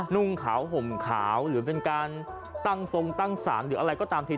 นุ่งขาวห่มขาวหรือเป็นการตั้งทรงตั้งสารหรืออะไรก็ตามที